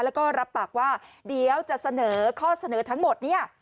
แล้วก็รับปากว่าเดี๋ยวจะเสนอข้อเสนอทั้งหมดเนี่ย